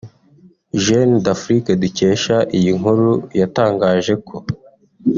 Jeune Afrique dukesha iyi nkuru yatangaje ko